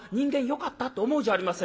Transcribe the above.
よかった』って思うじゃありませんか。